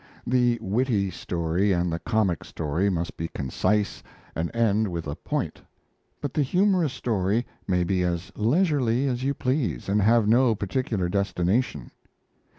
The witty story and the comic story must be concise and end with a "point"; but the humorous story may be as leisurely as you please and have no particular destination.